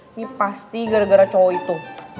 ini pasti gara gara cowok itu